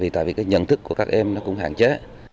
tại vì cái nhận thức của các em nó cũng hạn chế